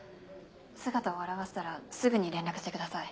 姿を現したらすぐに連絡してください。